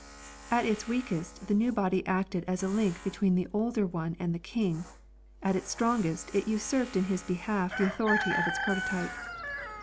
At its weakest the new body acted as a link between the older one and the King; at its strongest it usurped in his behalf the authority of its prototype.